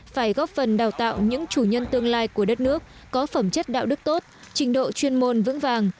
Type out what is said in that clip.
phải góp phần đào tạo những chủ nhân tương lai của đất nước có phẩm chất đạo đức tốt trình độ chuyên môn vững vàng